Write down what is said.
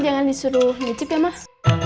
jangan disuruh menicip ya mah